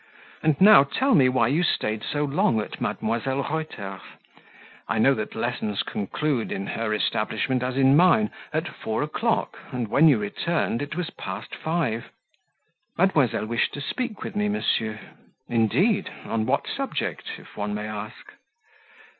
"And now tell me why you stayed so long at Mdlle. Reuter's. I know that lessons conclude, in her establishment as in mine, at four o'clock, and when you returned it was past five." "Mdlle. wished to speak with me, monsieur." "Indeed! on what subject? if one may ask."